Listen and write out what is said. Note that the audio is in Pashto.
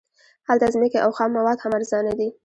هلته ځمکې او خام مواد هم ارزانه دي